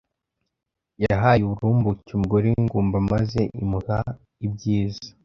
yahaye uburumbuke umugore w’ingumba maze imuha ibyiza.